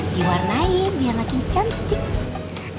diwarnai biar makin cantik